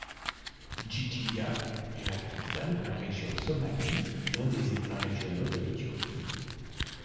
Djidjiga est la capitale de la région Somali, l'un des États régionaux de l'Éthiopie.